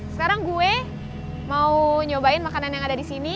sekarang gue mau nyobain makanan yang ada di sini